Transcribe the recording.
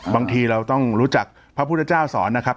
บางทีเราต้องรู้จักพระพุทธเจ้าสอนนะครับ